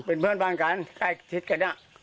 เป็นเพื่อนบ้านกันใกล้ชิดกัน